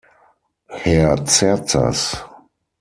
Herr Cercas!